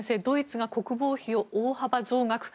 ドイツが国防費を大幅増額。